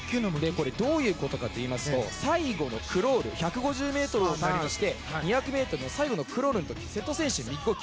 どういうことかといいますと最後のクロール１５０ｍをターンして２００ｍの最後のクロールの時瀬戸選手は右呼吸。